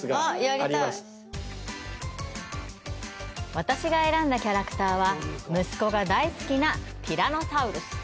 私が選んだキャラクターは、息子が大好きなティラノサウルス。